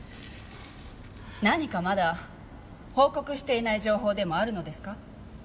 何かまだ報告していない情報でもあるのですか？